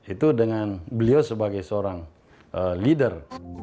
itu dengan beliau sebagai seorang leader